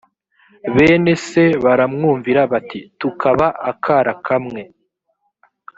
bene se baramwumvira bati tukaba akara kamwe